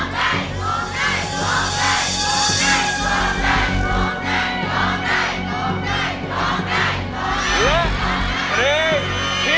โข่งใจโข่งใจโข่งใจ